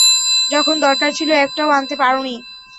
যখন দরকার ছিল, একটাও আনতে পারোনি।